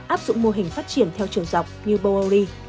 áp dụng mô hình phát triển theo trường dọc như bowli